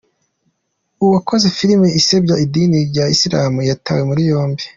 Uwakoze filimi isebya idini ya Isilamu yatawe muri yombi